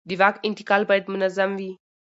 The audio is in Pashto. د واک انتقال باید منظم وي